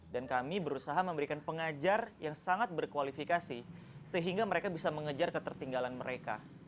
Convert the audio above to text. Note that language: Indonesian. dan kami berusaha memberikan pengajar yang sangat berkualifikasi sehingga mereka bisa mengejar ketertinggalan mereka